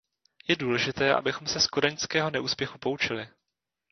Je důležité, abychom se z kodaňského neúspěchu poučili.